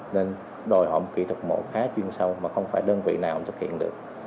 nên đòi hộm kỹ thuật mổ khá chuyên sâu mà không phải đơn vị nào thực hiện được